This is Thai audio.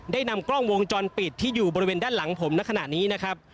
ได้นำกล้องวงจรปิดที่อยู่บริเวณด้านหลังผมในขณะนี้นะครับ